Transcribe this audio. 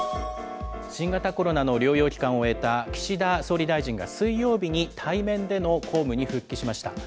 新型コロナの療養期間を終えた岸田総理大臣が水曜日に対面での公務に復帰しました。